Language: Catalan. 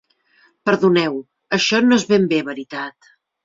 Perdoneu: això no és ben bé veritat.